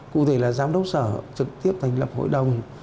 cụ thể là giám đốc sở trực tiếp thành lập hội đồng